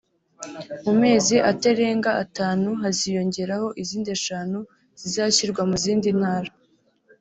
mu mezi aterenga atanu haziyongeraho izindi eshanu zizashyirwa mu zindi ntara